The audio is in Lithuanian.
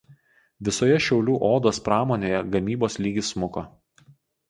Visoje Šiaulių odos pramonėje gamybos lygis smuko.